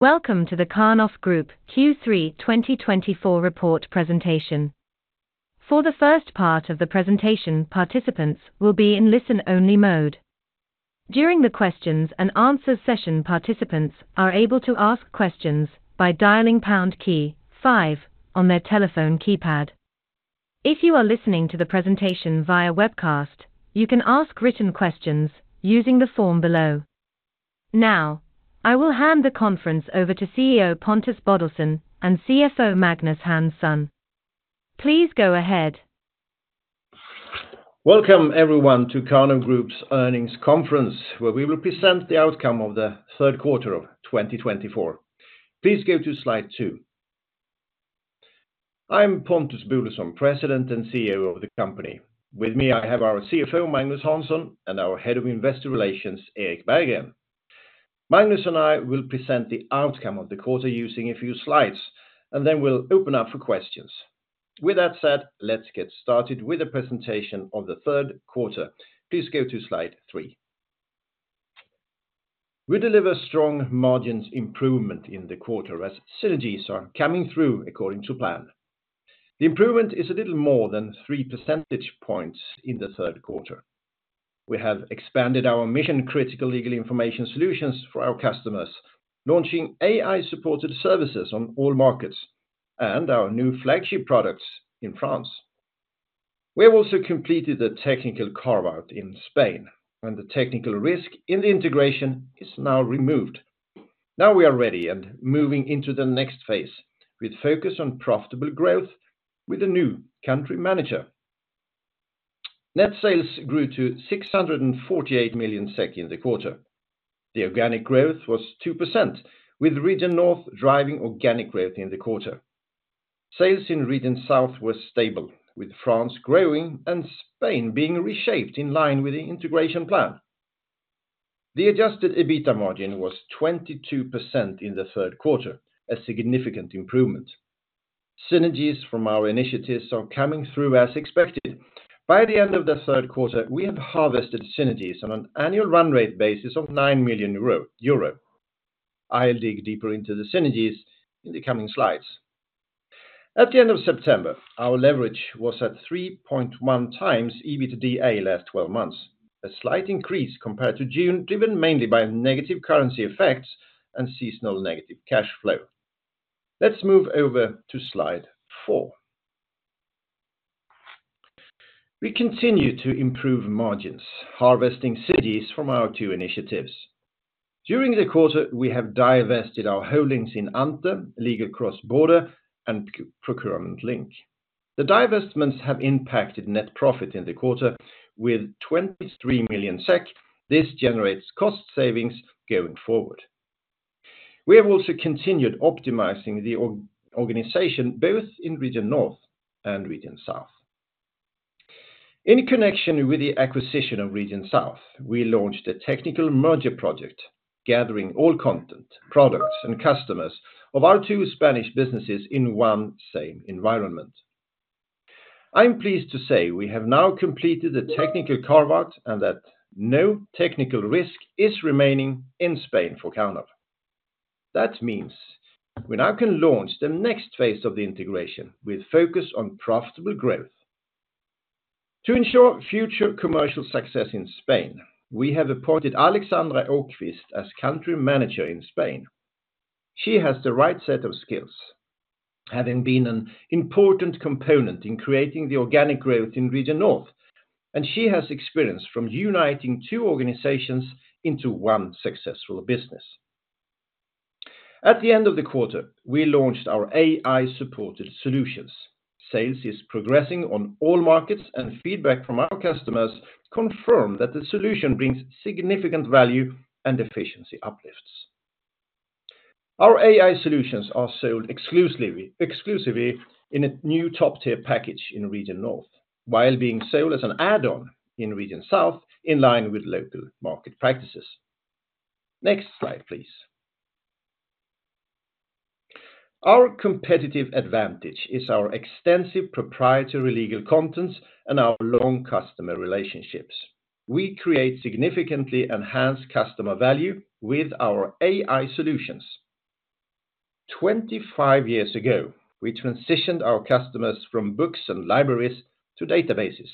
Welcome to the Karnov Group Q3 2024 report presentation. For the first part of the presentation, participants will be in listen-only mode. During the Q&A session, participants are able to ask questions by dialing pound key 5 on their telephone keypad. If you are listening to the presentation via webcast, you can ask written questions using the form below. Now, I will hand the conference over to CEO Pontus Bodelsson and CFO Magnus Hansson. Please go ahead. Welcome, everyone, to Karnov Group's earnings conference, where we will present the outcome of the third quarter of 2024. Please go to slide two. I'm Pontus Bodelsson, President and CEO of the company. With me, I have our CFO, Magnus Hansson, and our Head of Investor Relations, Erik Berggren. Magnus and I will present the outcome of the quarter using a few slides, and then we'll open up for questions. With that said, let's get started with the presentation of the third quarter. Please go to slide three. We deliver strong margins improvement in the quarter as synergies are coming through according to plan. The improvement is a little more than three percentage points in the third quarter. We have expanded our mission-critical legal information solutions for our customers, launching AI-supported services on all markets and our new flagship products in France. We have also completed the technical carve-out in Spain, and the technical risk in the integration is now removed. Now we are ready and moving into the next phase with focus on profitable growth with a new country manager. Net sales grew to 648 million SEK in the quarter. The organic growth was 2%, with Region North driving organic growth in the quarter. Sales in Region South were stable, with France growing and Spain being reshaped in line with the integration plan. The Adjusted EBITDA margin was 22% in the third quarter, a significant improvement. Synergies from our initiatives are coming through as expected. By the end of the third quarter, we have harvested synergies on an annual run rate basis of SEK 9 million. I'll dig deeper into the synergies in the coming slides. At the end of September, our leverage was at 3.1 times EBITDA last 12 months, a slight increase compared to June, driven mainly by negative currency effects and seasonal negative cash flow. Let's move over to slide four. We continue to improve margins, harvesting synergies from our two initiatives. During the quarter, we have divested our holdings in Ante, Legal Cross Border, and Procurement Link. The divestments have impacted net profit in the quarter with 23 million SEK. This generates cost savings going forward. We have also continued optimizing the organization both in Region North and Region South. In connection with the acquisition of Region South, we launched a technical merger project, gathering all content, products, and customers of our two Spanish businesses in one same environment. I'm pleased to say we have now completed the technical carve-out and that no technical risk is remaining in Spain for Karnov. That means we now can launch the next phase of the integration with focus on profitable growth. To ensure future commercial success in Spain, we have appointed Alexandra Åquist as country manager in Spain. She has the right set of skills, having been an important component in creating the organic growth in Region North, and she has experience from uniting two organizations into one successful business. At the end of the quarter, we launched our AI-supported solutions. Sales is progressing on all markets, and feedback from our customers confirms that the solution brings significant value and efficiency uplifts. Our AI solutions are sold exclusively in a new top-tier package in Region North, while being sold as an add-on in Region South in line with local market practices. Next slide, please. Our competitive advantage is our extensive proprietary legal contents and our long customer relationships. We create significantly enhanced customer value with our AI solutions. Twenty-five years ago, we transitioned our customers from books and libraries to databases.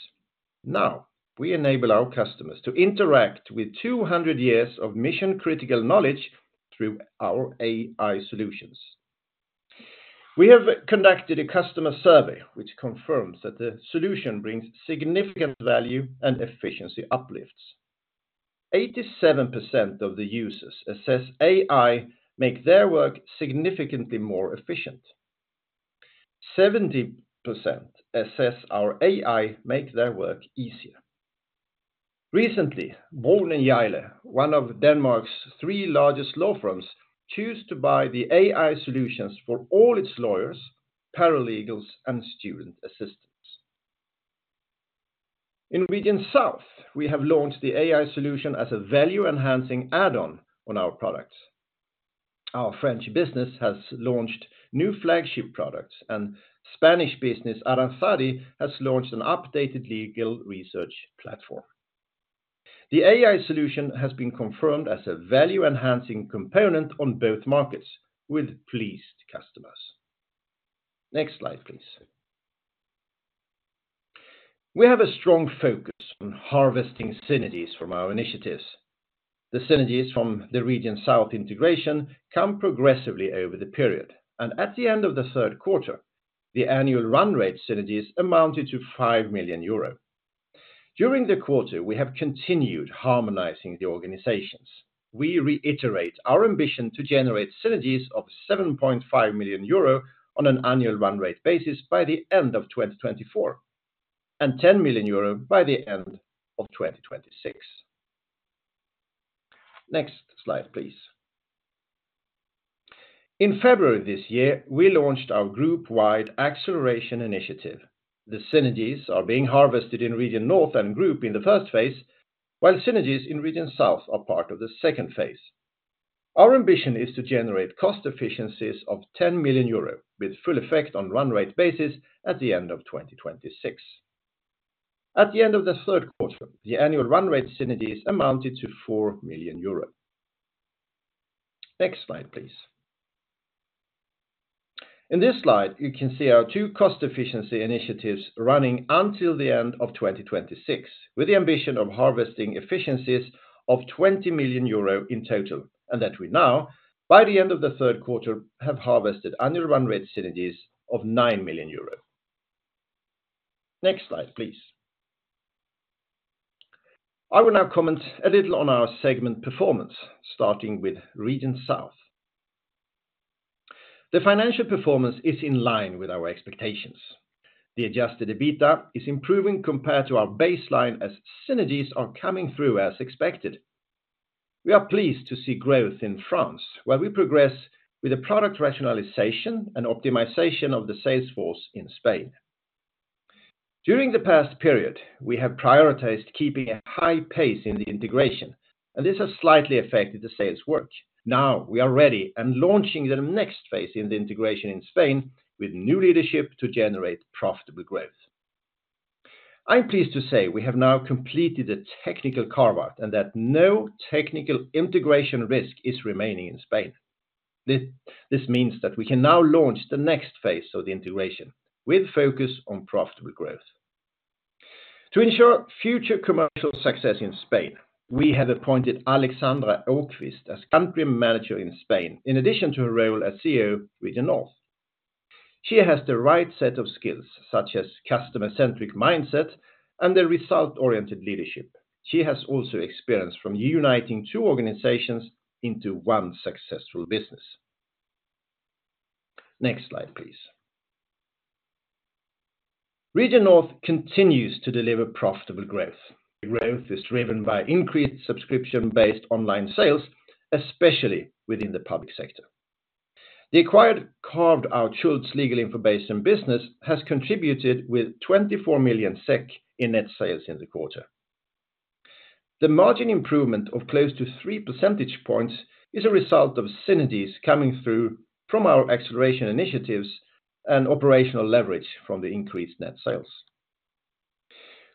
Now we enable our customers to interact with 200 years of mission-critical knowledge through our AI solutions. We have conducted a customer survey which confirms that the solution brings significant value and efficiency uplifts. 87% of the users assess AI makes their work significantly more efficient. 70% assess our AI makes their work easier. Recently, Morten Jaile, one of Denmark's three largest law firms, chose to buy the AI solutions for all its lawyers, paralegals, and student assistants. In Region South, we have launched the AI solution as a value-enhancing add-on on our products. Our French business has launched new flagship products, and Spanish business Aranzadi has launched an updated legal research platform. The AI solution has been confirmed as a value-enhancing component on both markets, with pleased customers. Next slide, please. We have a strong focus on harvesting synergies from our initiatives. The synergies from the Region South integration come progressively over the period, and at the end of the third quarter, the annual run rate synergies amounted to 5 million euro. During the quarter, we have continued harmonizing the organizations. We reiterate our ambition to generate synergies of 7.5 million euro on an annual run rate basis by the end of 2024 and 10 million euro by the end of 2026. Next slide, please. In February this year, we launched our group-wide acceleration initiative. The synergies are being harvested in Region North and Group in the first phase, while synergies in Region South are part of the second phase. Our ambition is to generate cost efficiencies of 10 million euro with full effect on run rate basis at the end of 2026. At the end of the third quarter, the annual run rate synergies amounted to 4 million euros. Next slide, please. In this slide, you can see our two cost efficiency initiatives running until the end of 2026, with the ambition of harvesting efficiencies of 20 million euro in total and that we now, by the end of the third quarter, have harvested annual run rate synergies of 9 million euro. Next slide, please. I will now comment a little on our segment performance, starting with Region South. The financial performance is in line with our expectations. The Adjusted EBITDA is improving compared to our baseline as synergies are coming through as expected. We are pleased to see growth in France, where we progress with the product rationalization and optimization of the sales force in Spain. During the past period, we have prioritized keeping a high pace in the integration, and this has slightly affected the sales work. Now we are ready and launching the next phase in the integration in Spain with new leadership to generate profitable growth. I'm pleased to say we have now completed the technical carve-out and that no technical integration risk is remaining in Spain. This means that we can now launch the next phase of the integration with focus on profitable growth. To ensure future commercial success in Spain, we have appointed Alexandra Åquist as country manager in Spain, in addition to her role as CEO, Region North. She has the right set of skills, such as customer-centric mindset and the result-oriented leadership. She has also experience from uniting two organizations into one successful business. Next slide, please. Region North continues to deliver profitable growth. Growth is driven by increased subscription-based online sales, especially within the public sector. The acquired carved-out Schultz Legal Infobasen business has contributed with EUR 24 million in net sales in the quarter. The margin improvement of close to 3 percentage points is a result of synergies coming through from our acceleration initiatives and operational leverage from the increased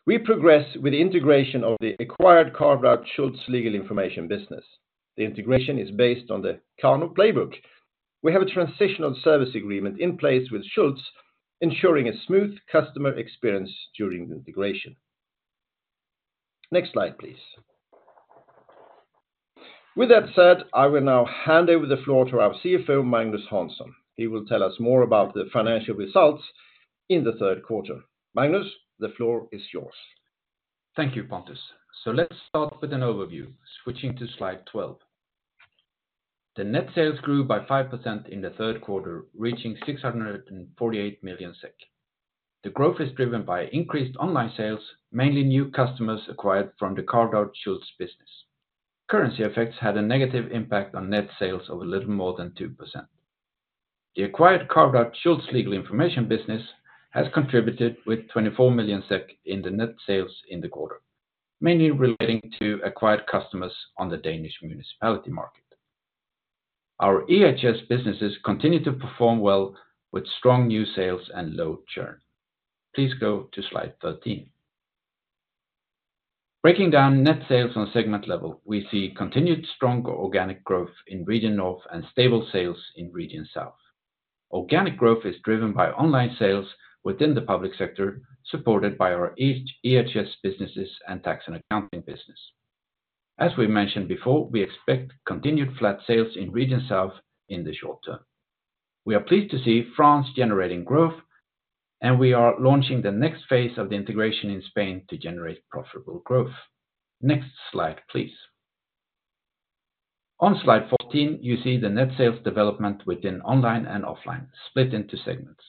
net sales. We progress with the integration of the acquired carved-out Schultz Legal Information business. The integration is based on the Karnov Playbook. We have a transitional service agreement in place with Schultz, ensuring a smooth customer experience during the integration. Next slide, please. With that said, I will now hand over the floor to our CFO, Magnus Hansson. He will tell us more about the financial results in the third quarter. Magnus, the floor is yours. Thank you, Pontus. So let's start with an overview, switching to slide 12. The net sales grew by 5% in the third quarter, reaching 648 million SEK. The growth is driven by increased online sales, mainly new customers acquired from the carved-out Schultz business. Currency effects had a negative impact on net sales of a little more than 2%. The acquired carved-out Schultz Legal Information business has contributed with EUR 24 million in the net sales in the quarter, mainly relating to acquired customers on the Danish municipality market. Our EHS businesses continue to perform well with strong new sales and low churn. Please go to slide 13. Breaking down net sales on segment level, we see continued strong organic growth in Region North and stable sales in Region South. Organic growth is driven by online sales within the public sector, supported by our EHS businesses and tax and accounting business. As we mentioned before, we expect continued flat sales in Region South in the short term. We are pleased to see France generating growth, and we are launching the next phase of the integration in Spain to generate profitable growth. Next slide, please. On slide 14, you see the net sales development within online and offline, split into segments.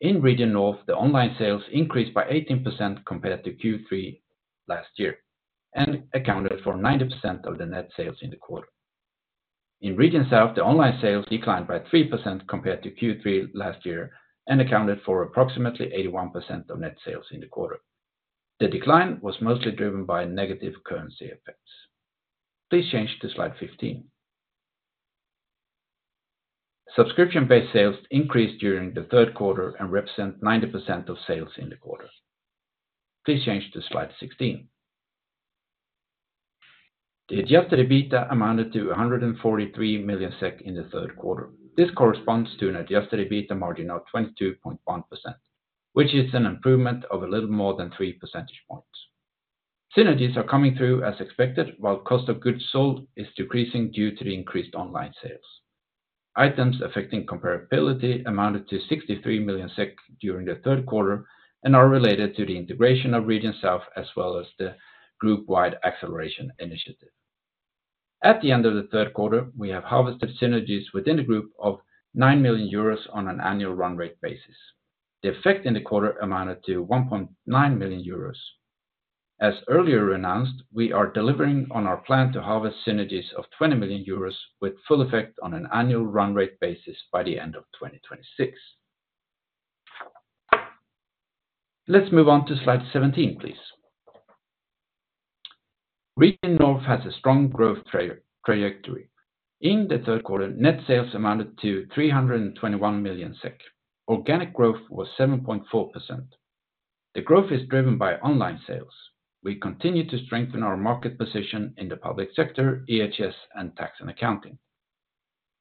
In Region North, the online sales increased by 18% compared to Q3 last year and accounted for 90% of the net sales in the quarter. In Region South, the online sales declined by 3% compared to Q3 last year and accounted for approximately 81% of net sales in the quarter. The decline was mostly driven by negative currency effects. Please change to slide 15. Subscription-based sales increased during the third quarter and represent 90% of sales in the quarter. Please change to slide 16. The Adjusted EBITDA amounted to 143 million SEK in the third quarter. This corresponds to an Adjusted EBITDA margin of 22.1%, which is an improvement of a little more than three percentage points. Synergies are coming through as expected, while cost of goods sold is decreasing due to the increased online sales. Items affecting comparability amounted to 63 million SEK during the third quarter and are related to the integration of Region South as well as the group-wide acceleration initiative. At the end of the third quarter, we have harvested synergies within the group of 9 million euros on an annual run rate basis. The effect in the quarter amounted to 1.9 million euros. As earlier announced, we are delivering on our plan to harvest synergies of 20 million euros with full effect on an annual run rate basis by the end of 2026. Let's move on to slide 17, please. Region North has a strong growth trajectory. In the third quarter, net sales amounted to 321 million SEK. Organic growth was 7.4%. The growth is driven by online sales. We continue to strengthen our market position in the public sector, EHS, and tax and accounting.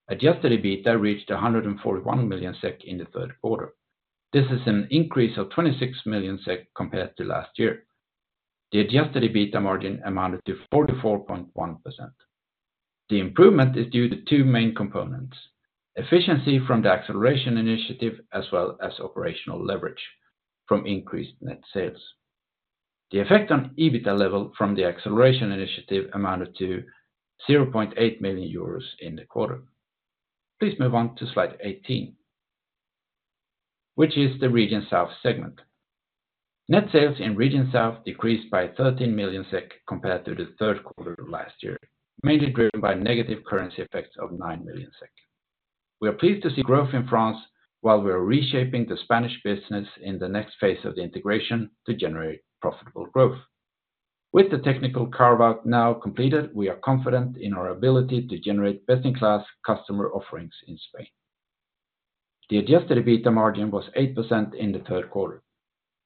Adjusted EBITDA reached 141 million SEK in the third quarter. This is an increase of 26 million SEK compared to last year. The adjusted EBITDA margin amounted to 44.1%. The improvement is due to two main components: efficiency from the acceleration initiative as well as operational leverage from increased net sales. The effect on EBITDA level from the acceleration initiative amounted to SEK 0.8 million in the quarter. Please move on to slide 18, which is the Region South segment. Net sales in Region South decreased by 13 million SEK compared to the third quarter of last year, mainly driven by negative currency effects of EUR 9 million. We are pleased to see growth in France, while we are reshaping the Spanish business in the next phase of the integration to generate profitable growth. With the technical carve-out now completed, we are confident in our ability to generate best-in-class customer offerings in Spain. The adjusted EBITDA margin was eight% in the third quarter.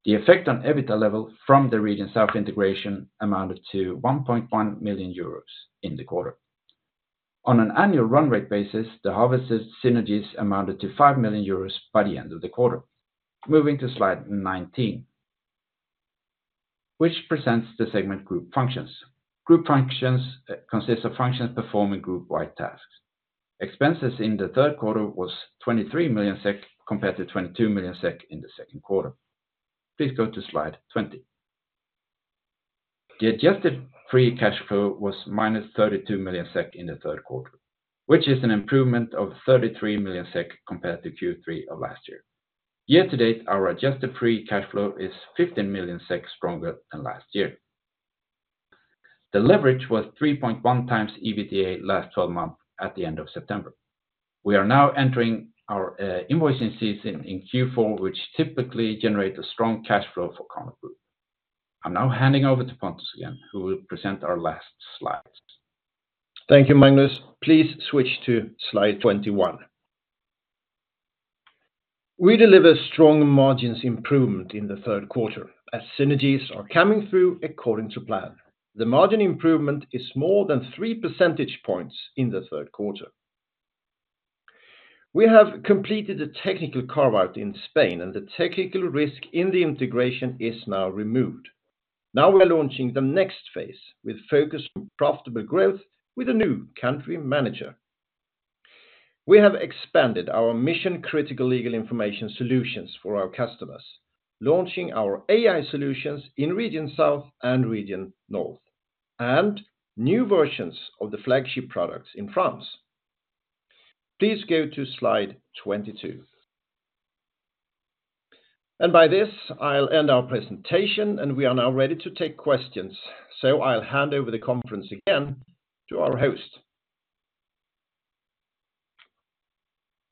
The effect on EBITDA level from the Region South integration amounted to 1.1 million euros in the quarter. On an annual run rate basis, the harvested synergies amounted to 5 million euros by the end of the quarter. Moving to slide 19, which presents the segment group functions. Group functions consist of functions performing group-wide tasks. Expenses in the third quarter was EUR 23 million compared to EUR 22 million in the second quarter. Please go to slide 20. The adjusted free cash flow was EUR 32 million in the third quarter, which is an improvement of EUR 33 million compared to Q3 of last year. Year-to-date, our adjusted free cash flow is EUR 15 million stronger than last year. The leverage was 3.1 times EBITDA last 12 months at the end of September. We are now entering our invoicing season in Q4, which typically generates a strong cash flow for Karnov Group. I'm now handing over to Pontus again, who will present our last slides. Thank you, Magnus. Please switch to slide 21. We deliver strong margins improvement in the third quarter as synergies are coming through according to plan. The margin improvement is more than three percentage points in the third quarter. We have completed the technical carve-out in Spain, and the technical risk in the integration is now removed. Now we are launching the next phase with focus on profitable growth with a new country manager. We have expanded our mission-critical legal information solutions for our customers, launching our AI solutions in Region South and Region North, and new versions of the flagship products in France. Please go to slide 22. And by this, I'll end our presentation, and we are now ready to take questions. So I'll hand over the conference again to our host.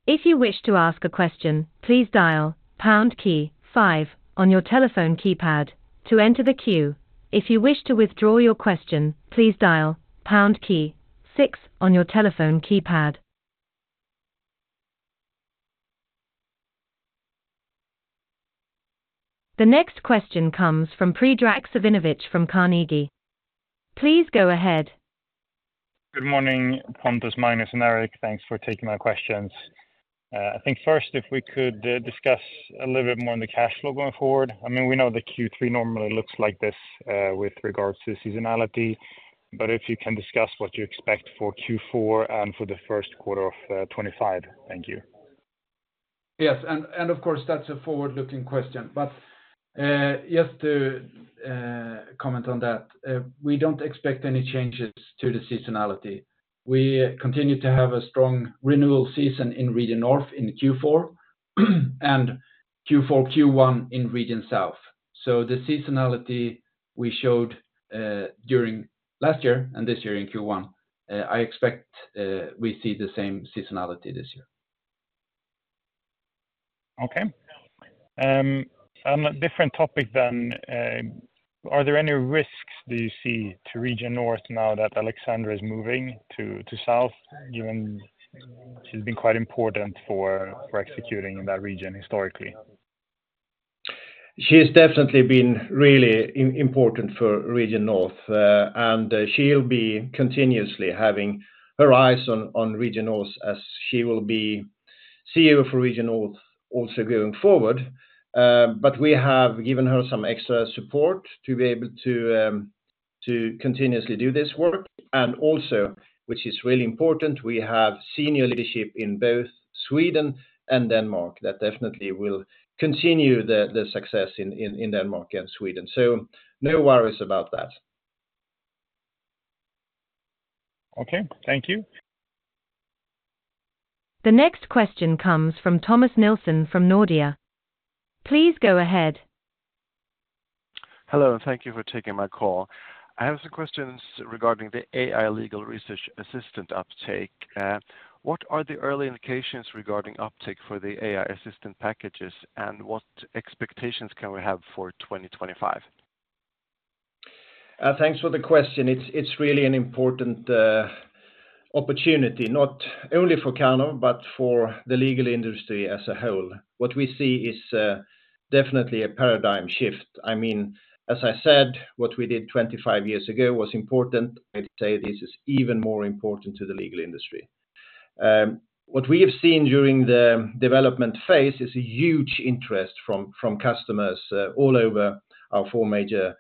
If you wish to ask a question, please dial pound key 5 on your telephone keypad to enter the queue. If you wish to withdraw your question, please dial pound key 6 on your telephone keypad. The next question comes from Predrag Savinovic from Carnegie. Please go ahead. Good morning, Pontus, Magnus, and Erik. Thanks for taking my questions. I think first, if we could discuss a little bit more on the cash flow going forward. I mean, we know that Q3 normally looks like this with regards to seasonality, but if you can discuss what you expect for Q4 and for the first quarter of 2025, thank you. Yes, and of course, that's a forward-looking question. But just to comment on that, we don't expect any changes to the seasonality. We continue to have a strong renewal season in Region North in Q4 and Q1 in Region South. So the seasonality we showed during last year and this year in Q1, I expect we see the same seasonality this year. Okay. On a different topic then, are there any risks do you see to Region North now that Alexandra is moving to South, given she's been quite important for executing in that region historically? She's definitely been really important for Region North, and she'll be continuously having her eyes on Region North as she will be CEO for Region North also going forward. But we have given her some extra support to be able to continuously do this work. And also, which is really important, we have senior leadership in both Sweden and Denmark that definitely will continue the success in Denmark and Sweden. So no worries about that. Okay, thank you. The next question comes from Thomas Nielsen from Nordea. Please go ahead. Hello, and thank you for taking my call. I have some questions regarding the AI legal research assistant uptake. What are the early indications regarding uptake for the AI assistant packages, and what expectations can we have for 2025? Thanks for the question. It's really an important opportunity, not only for Karnov but for the legal industry as a whole. What we see is definitely a paradigm shift. I mean, as I said, what we did 25 years ago was important. I'd say this is even more important to the legal industry. What we have seen during the development phase is a huge interest from customers all over our four major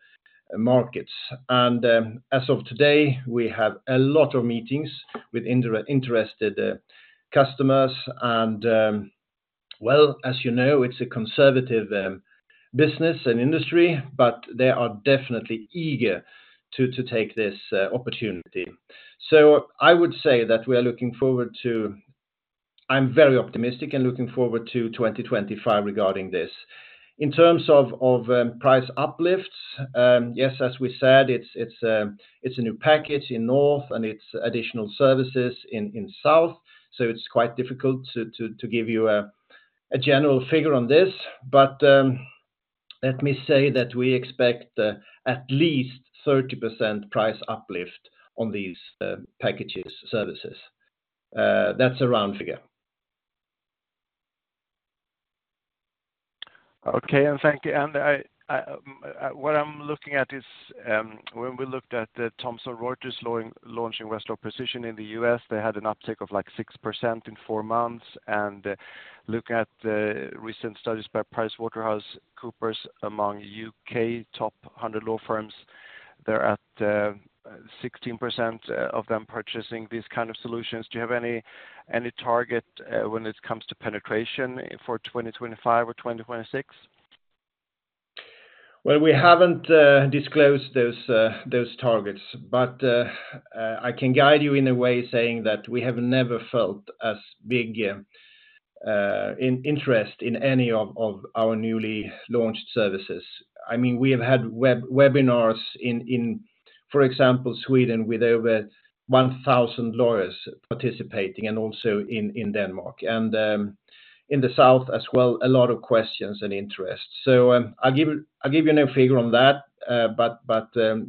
markets, and as of today, we have a lot of meetings with interested customers, and, well, as you know, it's a conservative business and industry, but they are definitely eager to take this opportunity, so I would say that we are looking forward to. I'm very optimistic and looking forward to 2025 regarding this. In terms of price uplifts, yes, as we said, it's a new package in North and it's additional services in South. It's quite difficult to give you a general figure on this. Let me say that we expect at least 30% price uplift on these packages, services. That's a round figure. Okay, and thank you. And what I'm looking at is when we looked at Thomson Reuters launching Westlaw Precision in the U.S., they had an uptake of like 6% in four months. And looking at recent studies by PricewaterhouseCoopers among U.K. top 100 law firms, they're at 16% of them purchasing these kind of solutions. Do you have any target when it comes to penetration for 2025 or 2026? Well, we haven't disclosed those targets, but I can guide you in a way, saying that we have never felt as big interest in any of our newly launched services. I mean, we have had webinars in, for example, Sweden with over 1,000 lawyers participating and also in Denmark. And in the South as well, a lot of questions and interest. So I'll give you no figure on that, but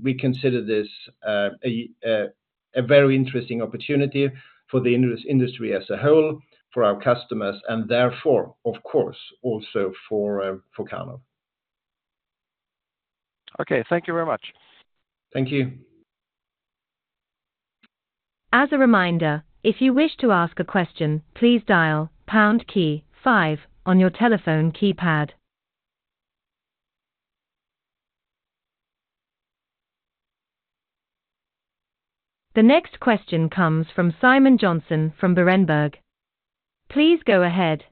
we consider this a very interesting opportunity for the industry as a whole, for our customers, and therefore, of course, also for Karnov. Okay, thank you very much. Thank you. As a reminder, if you wish to ask a question, please dial pound key 5 on your telephone keypad. The next question comes from Simon Jonsson from Berenberg. Please go ahead.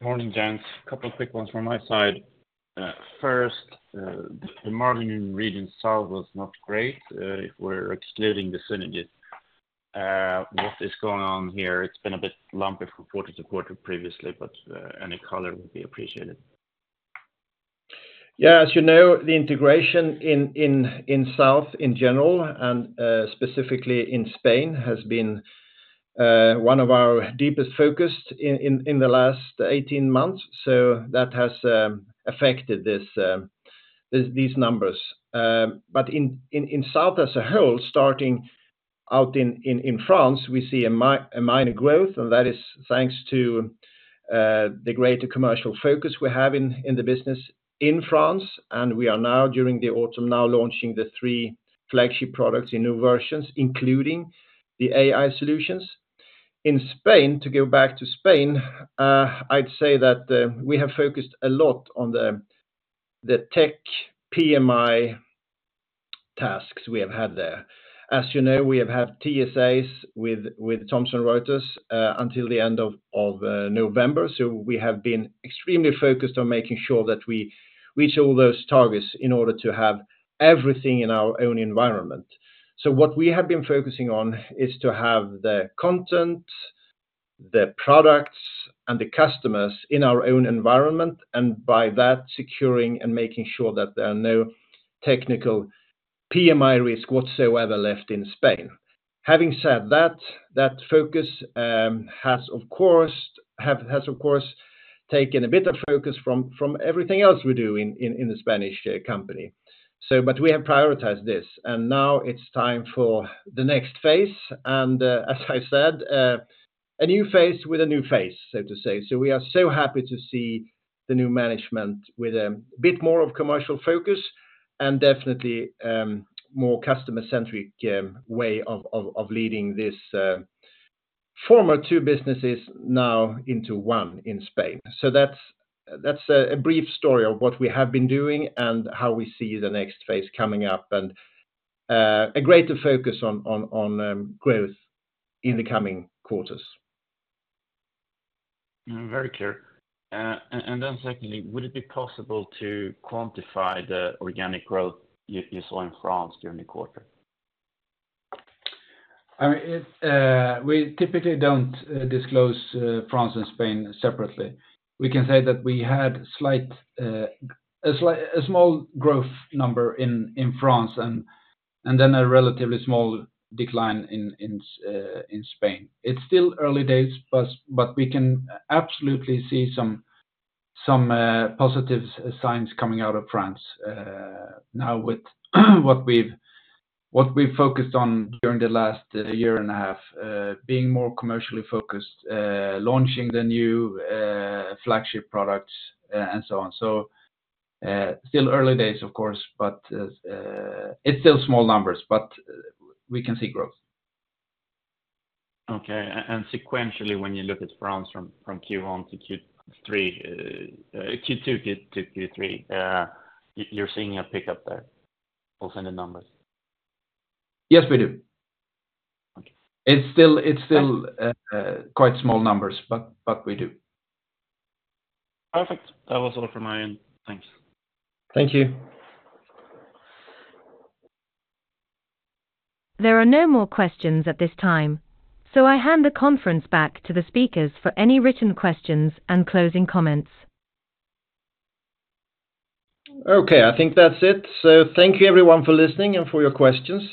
Morning, gents. A couple of quick ones from my side. First, the margin in Region South was not great if we're excluding the synergies. What is going on here? It's been a bit lumpy from quarter to quarter previously, but any color would be appreciated. Yeah, as you know, the integration in South in general, and specifically in Spain, has been one of our deepest focus in the last 18 months. So that has affected these numbers. But in South as a whole, starting out in France, we see a minor growth, and that is thanks to the greater commercial focus we have in the business in France. And we are now, during the autumn, now launching the three flagship products in new versions, including the AI solutions. In Spain, to go back to Spain, I'd say that we have focused a lot on the tech PMI tasks we have had there. As you know, we have had TSAs with Thomson Reuters until the end of November. So we have been extremely focused on making sure that we reach all those targets in order to have everything in our own environment. What we have been focusing on is to have the content, the products, and the customers in our own environment, and by that, securing and making sure that there are no technical PMI risks whatsoever left in Spain. Having said that, that focus has, of course, taken a bit of focus from everything else we do in the Spanish company. We have prioritized this, and now it's time for the next phase. As I said, a new phase with a new face, so to speak. We are so happy to see the new management with a bit more of commercial focus and definitely a more customer-centric way of leading these former two businesses now into one in Spain. So that's a brief story of what we have been doing and how we see the next phase coming up and a greater focus on growth in the coming quarters. Very clear. And then secondly, would it be possible to quantify the organic growth you saw in France during the quarter? I mean, we typically don't disclose France and Spain separately. We can say that we had a small growth number in France and then a relatively small decline in Spain. It's still early days, but we can absolutely see some positive signs coming out of France now with what we've focused on during the last year and a half, being more commercially focused, launching the new flagship products, and so on, so still early days, of course, but it's still small numbers, but we can see growth. Okay. And sequentially, when you look at France from Q1 to Q2 to Q3, you're seeing a pickup there also in the numbers? Yes, we do. It's still quite small numbers, but we do. Perfect. That was all from my end. Thanks. Thank you. There are no more questions at this time, so I hand the conference back to the speakers for any written questions and closing comments. Okay, I think that's it. So thank you, everyone, for listening and for your questions.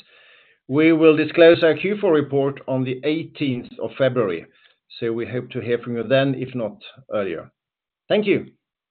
We will disclose our Q4 report on the 18th of February. So we hope to hear from you then, if not earlier. Thank you.